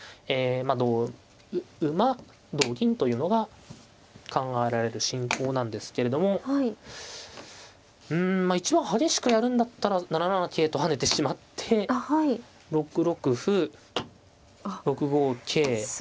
まあ同馬同銀というのが考えられる進行なんですけれどもうんまあ一番激しくやるんだったら７七桂と跳ねてしまって６六歩６五桂。